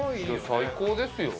最高ですよ。